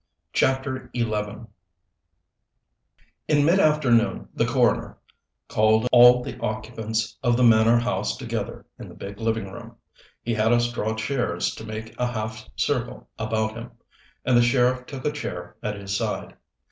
CHAPTER XI In midafternoon the coroner called all the occupants of the manor house together in the big living room. He had us draw chairs to make a half circle about him, and the sheriff took a chair at his side.